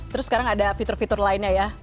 terus sekarang ada fitur fitur lainnya ya